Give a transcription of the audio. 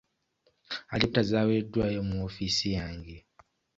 Alipoota zaaweereddwayo mu woofiisi yange.